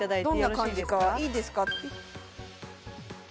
どんな感じかいいですか？